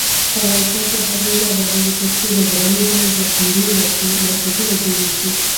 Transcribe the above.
افغانستان تر هغو نه ابادیږي، ترڅو د غلو د ذخیرې مرکزونه جوړ نشي.